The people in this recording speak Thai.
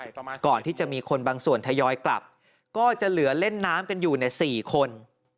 ก่อนที่จะมีคนบางส่วนทยอยกลับก็จะเหลือเล่นน้ำกันอยู่ในสี่คน